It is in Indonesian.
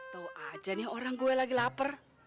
tau aja nih orang gue lagi lapar